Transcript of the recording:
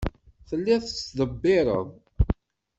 Telliḍ tettḍebbireḍ.